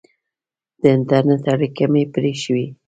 د انټرنېټ اړیکه مې پرې شوې.